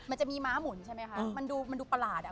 มันจะมีม้าหมุนใช่ไหมคะมันดูมันดูประหลาดอ่ะ